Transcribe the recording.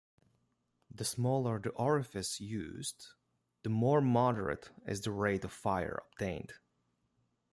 The smaller the orifice used, the more moderate is the rate of fire obtained.